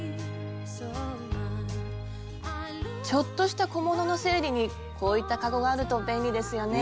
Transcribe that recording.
ちょっとした小物の整理にこういったかごがあると便利ですよね。